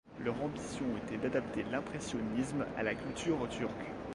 Leur ambition était d’adapter l’impressionnisme à la culture turque.